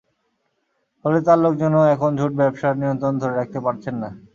ফলে তাঁর লোকজনও এখন ঝুট ব্যবসার নিয়ন্ত্রণ ধরে রাখতে পারছেন না।